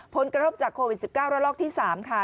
ผลกระทบจากโควิด๑๙ระลอกที่๓ค่ะ